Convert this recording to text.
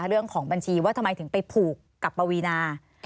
เรื่องของบัญชีว่าทำไมถึงไปผูกกับปวีนา